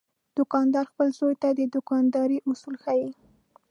دوکاندار خپل زوی ته د دوکاندارۍ اصول ښيي.